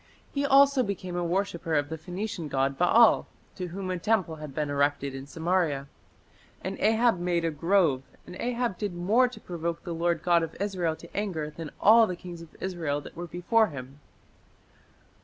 He also became a worshipper of the Phoenician god Baal, to whom a temple had been erected in Samaria. "And Ahab made a grove; and Ahab did more to provoke the Lord God of Israel to anger than all the kings of Israel that were before him."